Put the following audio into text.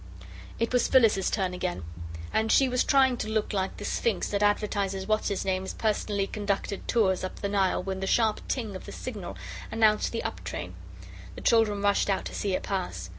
It was Phyllis's turn again, and she was trying to look like the Sphinx that advertises What's his name's Personally Conducted Tours up the Nile when the sharp ting of the signal announced the up train. The children rushed out to see it pass.